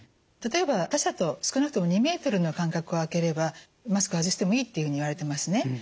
例えば他者と少なくとも２ｍの間隔を空ければマスクを外してもいいっていうふうにいわれてますね。